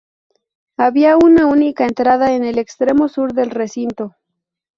Había una única entrada, en el extremo sur del recinto.